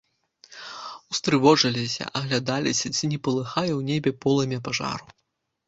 Устрывожыліся, аглядаліся, ці не палыхае ў небе полымя пажару.